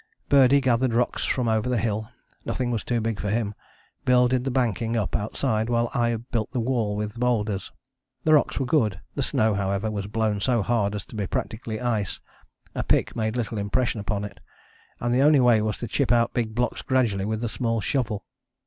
Birdie gathered rocks from over the hill, nothing was too big for him; Bill did the banking up outside while I built the wall with the boulders. The rocks were good, the snow, however, was blown so hard as to be practically ice; a pick made little impression upon it, and the only way was to chip out big blocks gradually with the small shovel.